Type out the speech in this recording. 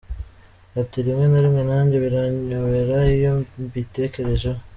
Ati: “ Rimwe na rimwe nanjye biranyobera iyo mbitekerejeho.